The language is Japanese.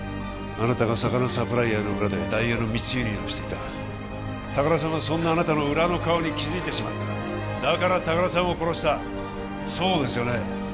あなたが魚サプライヤーの裏でダイヤの密輸入をしていた高田さんはそんなあなたの裏の顔に気づいてしまっただから高田さんを殺したそうですよね？